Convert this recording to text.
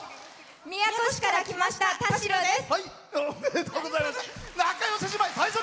宮古市から来ましたたしろです。